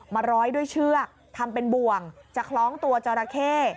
ร้อยด้วยเชือกทำเป็นบ่วงจะคล้องตัวจราเข้